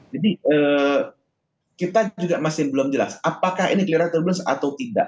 jadi kita juga masih belum jelas apakah ini keliruan turbulensi atau tidak